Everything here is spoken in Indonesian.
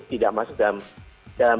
tidak masuk dalam